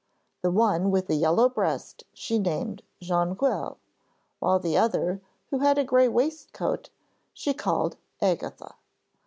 The one with a yellow breast she named Jonquil; while the other, who had a grey waistcoat, was called Agatha.